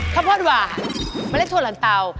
ข้าวโพดหวานเมล็ดถั่วลันเตา